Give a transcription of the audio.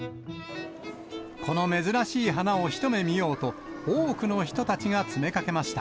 この珍しい花を一目見ようと、多くの人たちが詰めかけました。